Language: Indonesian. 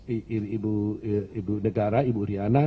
izin ibu negara ibu riana